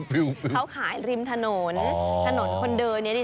เขาขายริมถนนถนนคนเดินเนี้ยนี่